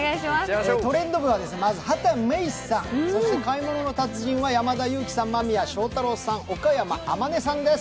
「トレンド部」はまず、畑芽育さん、そして「買い物の達人」は山田裕貴さん、間宮祥太朗さん、岡山天音さんです。